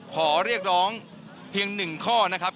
ขอเรียกร้องเพียง๑ข้อนะครับ